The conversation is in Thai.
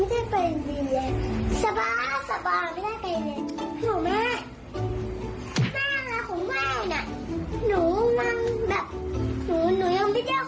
เดี๋ยวท่อมาอันนี้